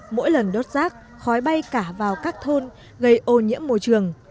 mỗi lần đốt rác khói bay cả vào các thôn gây ô nhiễm môi trường